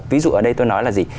ví dụ ở đây tôi nói là gì